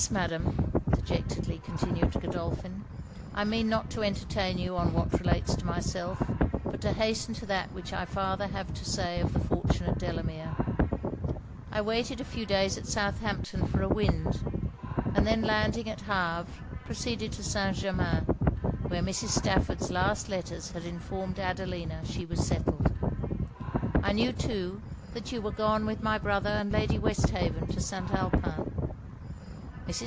Madam,' dejectedly continued Godolphin, 'I mean not to entertain you on what relates to myself; but to hasten to that which I farther have to say of the fortunate Delamere! I waited a few days at Southampton for a wind; and then landing at Havre, proceeded to St. Germains, where Mrs. Stafford's last letters had informed Adelina she was settled. I knew, too, that you were gone with my brother and Lady Westhaven to St. Alpin. Mrs.